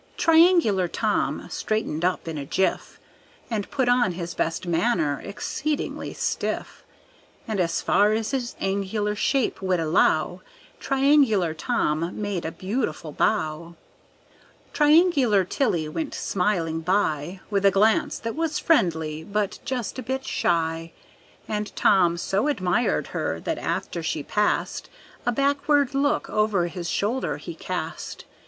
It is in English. Triangular Tom straightened up in a jiff, And put on his best manner exceedingly stiff; And as far as his angular shape would allow Triangular Tom made a beautiful bow. Triangular Tilly went smilingly by, With a glance that was friendly, but just a bit shy. And Tom so admired her that after she passed, A backward look over his shoulder he cast.